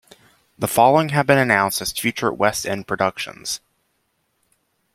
The following have been announced as future West End productions.